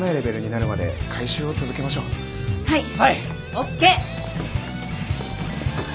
ＯＫ！